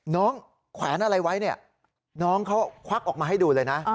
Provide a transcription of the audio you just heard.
แขวนอะไรไว้เนี่ยน้องเขาควักออกมาให้ดูเลยนะ